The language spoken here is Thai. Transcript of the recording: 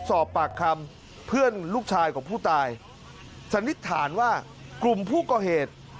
สอบปากคำเพื่อนลูกชายของผู้ตายสันนิษฐานว่ากลุ่มผู้ก่อเหตุ